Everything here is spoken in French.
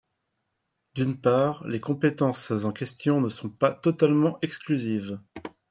D’une part, les compétences en question ne sont pas totalement exclusives.